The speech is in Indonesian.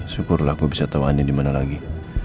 syukurlah gue bisa tau anin dimana lagi